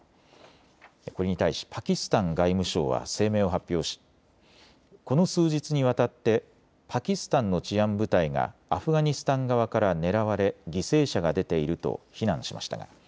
これに対しパキスタン外務省は声明を発表しこの数日にわたってパキスタンの治安部隊がアフガニスタン側から狙われ犠牲者が出ていると非難しました。